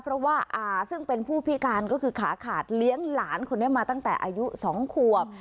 เพราะว่าอาซึ่งเป็นผู้พิการก็คือขาขาดเลี้ยงหลานคนนี้มาตั้งแต่อายุ๒ขวบ